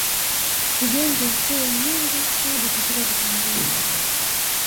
ujenzi wa shule nyingi hadi katika vitongoji